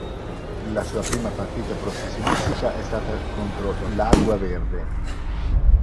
La sua prima partita professionistica è stata contro l'Água Verde.